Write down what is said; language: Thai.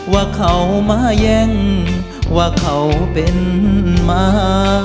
ว่าเขามาแย่งว่าเขาเป็นมา